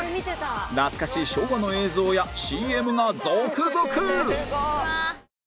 懐かしい昭和の映像や ＣＭ が続々！